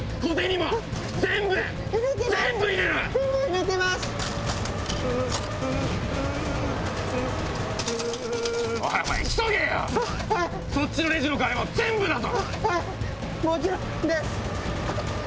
もちろん、です。